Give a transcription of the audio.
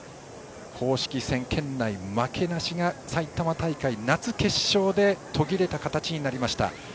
公式戦、県内負けなしが埼玉大会夏決勝で途切れた形となりました。